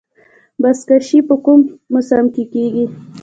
بزکشي په کوم موسم کې کیږي؟